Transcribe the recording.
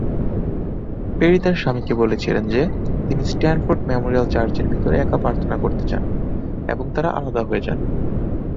Peri তার স্বামীকে বলেছিলেন যে তিনি স্ট্যানফোর্ড মেমোরিয়াল চার্চের ভিতরে একা প্রার্থনা করতে চান, এবং তারা আলাদা হয়ে যান।